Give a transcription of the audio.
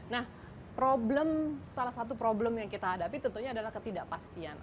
nah problem salah satu problem yang kita hadapi tentunya adalah ketidakpastian